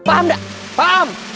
paham enggak paham